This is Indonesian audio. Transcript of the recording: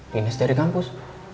dinas dari kampus